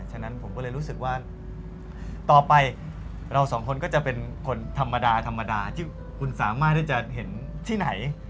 ฉะนั้นผมก็เลยรู้สึกว่าต่อไปเราสองคนก็จะเป็นคนธรรมดา